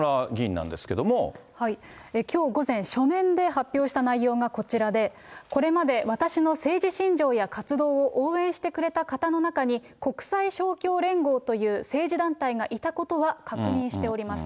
きょう午前、書面で発表した内容がこちらで、これまで私の政治信条や活動を応援してくれた方の中に、国際勝共連合という政治団体がいたことは確認しております。